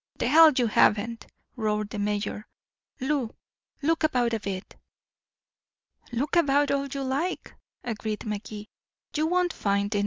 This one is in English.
"The hell you haven't," roared the mayor. "Lou, look about a bit." "Look about all you like," agreed Magee. "You won't find it. Mr.